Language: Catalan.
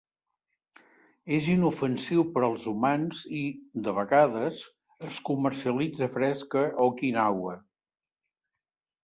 És inofensiu per als humans i, de vegades, es comercialitza fresc a Okinawa.